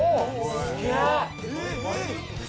・すげえ！